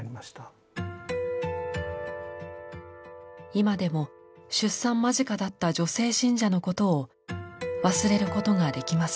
今でも出産間近だった女性信者のことを忘れることができません。